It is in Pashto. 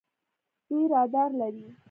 دوی رادار لري.